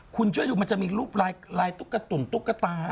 คุณช่วยดูมันจะมีรูปลายตุ๊กตุ๋นตุ๊กตา